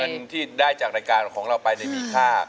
เงินที่ได้จากรายการของเราไปมีค่า